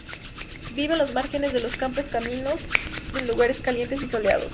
Vive en los márgenes de los campos y caminos, en lugares calientes y soleados.